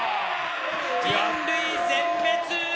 人類、全滅！